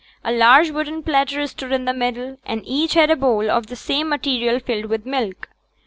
A large wooden platter stood in the middle; and each had a bowl of the same material filled with milk.